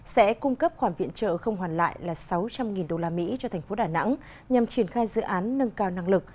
sẽ cung cấp khoản viện trợ không hoàn lại là sáu trăm linh usd cho thành phố đà nẵng nhằm triển khai dự án nâng cao năng lực